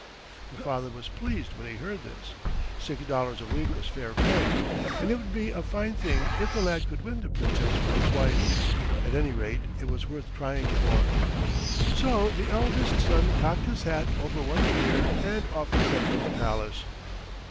The father was pleased when he heard this. Six dollars a week was fair pay, and it would be a fine thing if the lad could win the Princess for his wife. At any rate it was worth trying for. So the eldest son cocked his hat over one ear, and off he set for the palace.